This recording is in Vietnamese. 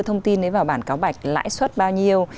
thông tin vào bản cáo bạch lãi suất bao nhiêu